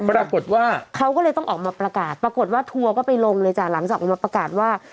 ปรากฏว่าเขาก็เลยต้องออกมาประกาศปรากฏว่าทัวร์ก็ไปลงเลยจ้ะหลังจากออกมาประกาศว่า